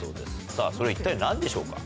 さぁそれは一体何でしょうか？